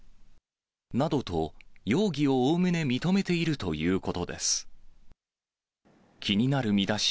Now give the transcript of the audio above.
などと容疑をおおむね認めているということです。